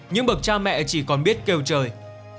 những bực cha mẹ chỉ còn biết kêu trời